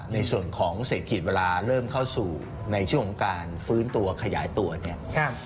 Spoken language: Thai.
ในส่วนของเศรษฐกิจเวลาเริ่มเข้าสู่ในช่วงของการฟื้นตัวขยายตัวเนี่ย